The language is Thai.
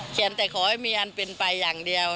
แต่ขอให้มีอันเป็นไปอย่างเดียว